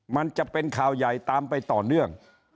มันจะเป็นข่าวใหญ่ตามไปต่อเนื่อง